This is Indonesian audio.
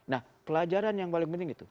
nah pelajaran yang paling penting itu